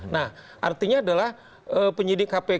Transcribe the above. nah artinya adalah penyidik kpk